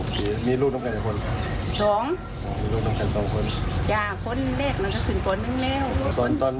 ค่ะคนเลขมันก็ถึงตนั้นแล้ว